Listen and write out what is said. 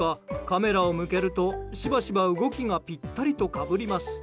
カメラを向けると、しばしば動きがぴったりとかぶります。